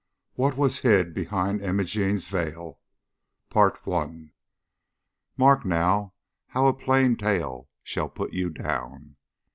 WHAT WAS HID BEHIND IMOGENE'S VEIL. Mark now, how a plain tale shall put you down.